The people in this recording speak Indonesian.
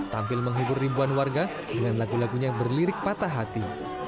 tampil menghibur ribuan warga dengan lagu lagunya yang berlirik patah hati